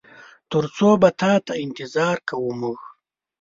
تر څو به تاته انتظار کوو مونږ؟